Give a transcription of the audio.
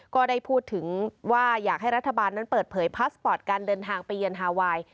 ก็ได้พูดถึงว่าอยากให้รัฐบาลนั้นเปิดเผยพาสปอร์ตการเดินทางไปเยือนฮาไวน์